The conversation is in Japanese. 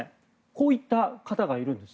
こういった方がいます。